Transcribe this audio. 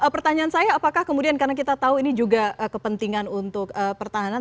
pertanyaan saya apakah kemudian karena kita tahu ini juga kepentingan untuk pertahanan